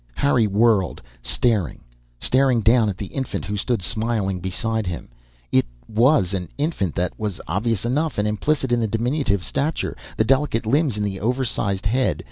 Harry whirled, staring; staring down at the infant who stood smiling beside him. It was an infant, that was obvious enough, and implicit in the diminutive stature, the delicate limbs and the oversized head.